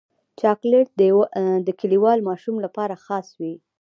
چاکلېټ د کلیوال ماشوم لپاره خاص وي.